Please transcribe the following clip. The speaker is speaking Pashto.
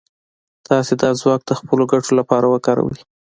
تاسې دا ځواک د خپلو ګټو لپاره وکاروئ.